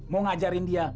mau ngajarin dia